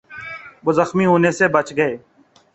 وہ زخمی ہونے سے بچ گئے